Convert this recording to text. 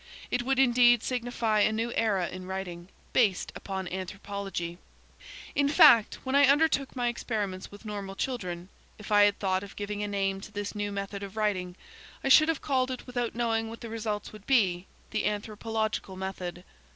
It would indeed signify a new era in writing, based upon anthropology. In fact, when I undertook my experiments with normal children, if I had thought of giving a name to this new method of writing, I should have called it without knowing what the results would be, the anthropological method.